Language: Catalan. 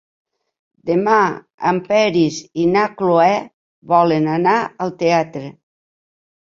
Demà en Peris i na Cloè volen anar al teatre.